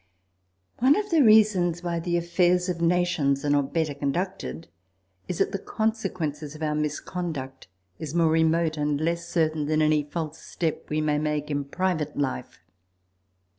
One of the reasons why the affairs of Nations are not better conducted, is that the consequences of our misconduct is more remote, and less certain, than any false step we may make in private life.